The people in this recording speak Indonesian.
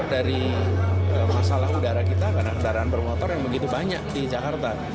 dari masalah udara kita karena kendaraan bermotor yang begitu banyak di jakarta